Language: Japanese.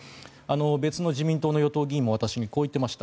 別の与党議員も私にこう言っていました。